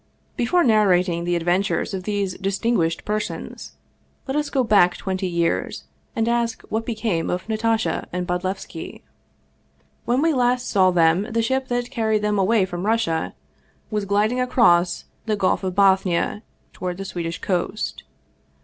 Before narrating the adventures of these distinguished persons, let us go back twenty years, and ask what became of Natasha and Bodlevski. When last we saw them the ship that carried them away from Russia was gliding across the Gulf of Bothnia toward the Swedish coast.